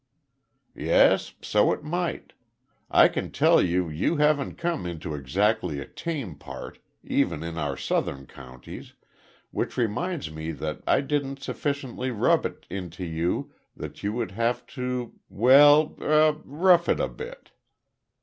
"Yes, so it might. I can tell you you haven't come into exactly a tame part, even in our southern counties, which reminds me that I didn't sufficiently rub it into you that you would have to well er rough it a bit."